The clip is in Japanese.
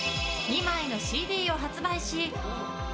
２枚のＣＤを発売し。